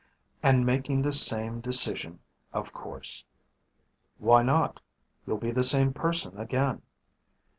And making the same decision, of course. Why not? You'll be the same person again.